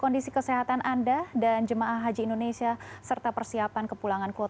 di sehat dan alam